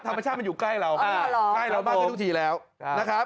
ธรรมชาติมันอยู่ใกล้เราใกล้เรามากขึ้นทุกทีแล้วนะครับ